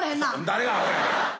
誰がアホやねん。